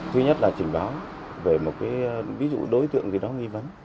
thứ nhất là trình báo về một ví dụ đối tượng gì đó nghi vấn